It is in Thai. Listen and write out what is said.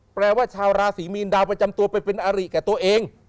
แปลว่าชาวราศีมีนดาวประจำตัวไปเป็นอริแก่ตัวเอง